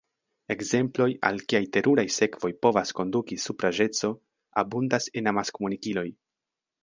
Ekzemploj, al kiaj teruraj sekvoj povas konduki supraĵeco, abundas en amaskomunikiloj.